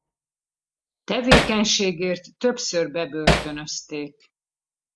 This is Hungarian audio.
Tevékenységért többször bebörtönözték.